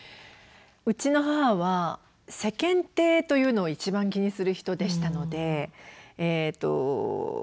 うちの母は世間体というのを一番気にする人でしたのでえっと